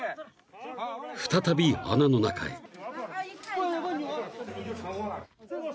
［再び穴の中へ］